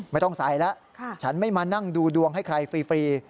ไม่ต้องใส่แล้วฉันไม่มานั่งดูดวงให้ใครฟรี